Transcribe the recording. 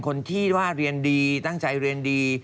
คนที่ว่าเรียนดีตั้งใจเรียนดี